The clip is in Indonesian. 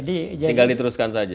iya tinggal diteruskan saja